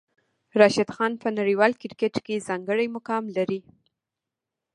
راشد خان په نړیوال کرکټ کې ځانګړی مقام لري.